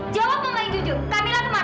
jawab mama yang jujur kamilah kemana